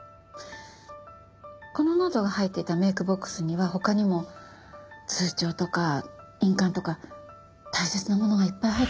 このノートが入っていたメイクボックスには他にも通帳とか印鑑とか大切なものがいっぱい入ってました。